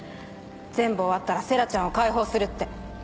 全部終わったら星来ちゃんを解放するって。